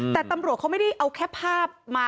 แต่ตำรวจเขาไม่ได้เอาแค่ภาพมา